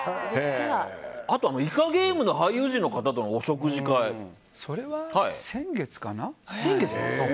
あとは「イカゲーム」の俳優陣の方とのそれは先月かな？